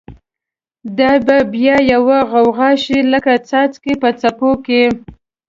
دا به بیا یوه غوغاشی، لکه څاڅکی په څپو کی